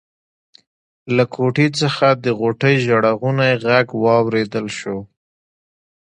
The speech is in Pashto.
له کوټې څخه د غوټۍ ژړغونی غږ واورېدل شو.